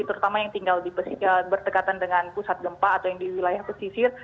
terutama yang tinggal berdekatan dengan pusat gempa atau yang di wilayah pesisir